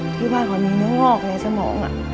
ที่บ้านเขามีเนื้องอกในสมอง